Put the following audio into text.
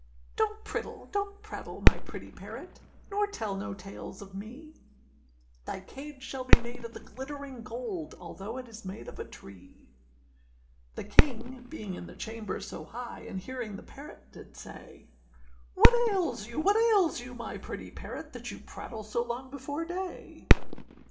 â âDonât prittle nor prattle, my pretty parrot, Nor tell no tales of me; Thy cage shall be made of the glittering gold, Although it is made of a tree.â The king being in the chamber so high, And hearing the parrot, did say, âWhat ails you, what ails you, my pretty parrot, That you prattle so long before day?